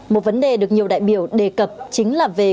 một vấn đề được nhiều đại biểu đề cập chính là về